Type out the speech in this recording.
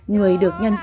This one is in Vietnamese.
người được nhân sách